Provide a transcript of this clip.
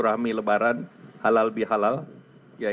dia juga menggunakan faisal reza